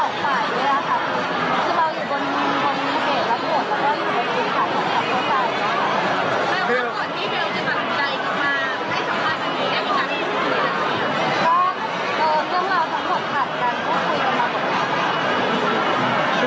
แล้วเรื่องราวทั้งส่วนผ่านกันพูดคุยกันมาก่อน